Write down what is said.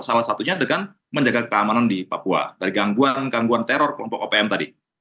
salah satunya dengan menjaga keamanan di papua dari gangguan gangguan teror kelompok opm tadi